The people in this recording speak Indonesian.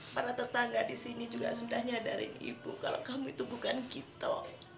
para tetangga disini juga sudah nyadarin ibu kalau kamu itu bukan gitu